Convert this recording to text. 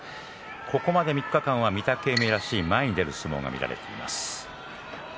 ここまで３日間は、御嶽海らしい前に出る相撲を見せています。